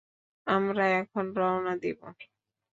আমরা এখন রওনা দিবো।